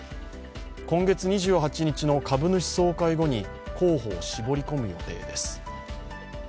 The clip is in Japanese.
今月２８日の株主総会後に候補を絞り込む予定です。